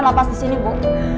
lepas disini bu